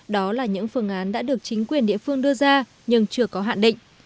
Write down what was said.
đó là những phương án đã được chính quyền địa phương đưa ra nhưng chưa có hạn định